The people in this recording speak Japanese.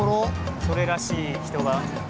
それらしい人が。